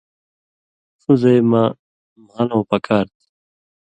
ݜُو زئ مہ مھالٶں پکار تھی